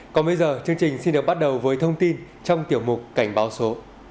còn bây giờ chương trình xin được bắt đầu với thông tin trong tiểu mục cảnh báo số